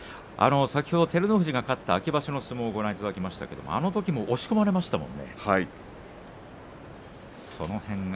照ノ富士が勝った秋場所の相撲をご覧いただきましたがあのときも押し込まれましたものね。